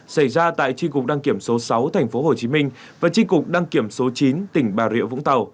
xảy ra tại tri cục đăng kiểm số sáu tp hcm và tri cục đăng kiểm số chín tỉnh bà rịa vũng tàu